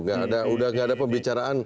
nggak ada udah nggak ada pembicaraan